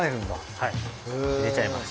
はい入れちゃいます。